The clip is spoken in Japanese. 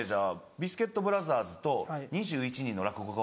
「ビスケットブラザーズと２１人の落語家」。